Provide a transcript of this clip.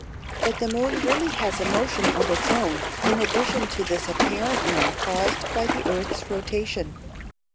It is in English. But the moon really has a motion of its own in addition to this apparent one caused by the earth's rotation.